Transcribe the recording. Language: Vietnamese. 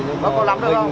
có có lắm được không